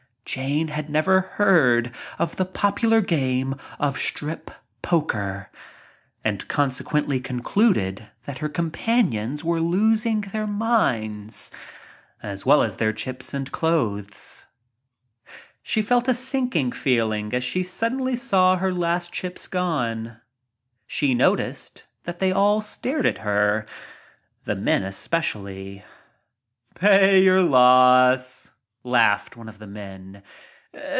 Jane had never heard of the popular game of "strip poker," and consequently concluded that her companions were losing their minds as well as their s and clothes. She felt a sinking feeling as she suddenly saw her last chips gone. She noticed that they all stared at her, the men especially. "Pay your loss," laughed one of the men.